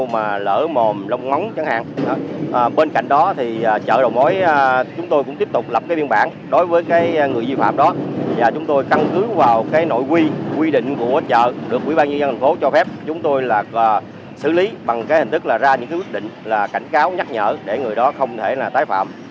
bằng cái hình thức là ra những quyết định là cảnh cáo nhắc nhở để người đó không thể là tái phạm